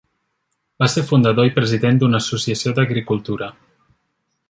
Va ser fundador i president d'una associació d'agricultura.